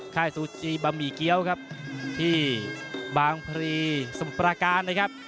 ค่ายซูจีบะหมี่เกี้ยวครับที่บางพรีสมุทรประการนะครับ